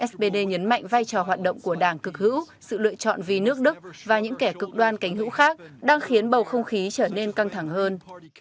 spd nhấn mạnh vai trò hoạt động của đảng cực hữu sự lựa chọn vì nước đức và những kẻ cực đoan cánh hữu khác đang khiến bầu không khí trở nên căng thẳng hơn